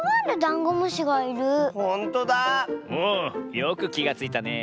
よくきがついたねえ。